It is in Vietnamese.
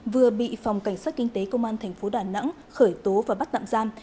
vừa bị phòng cảnh sát kinh tế công an thành phố đà nẵng khởi tố và bắt nạm giam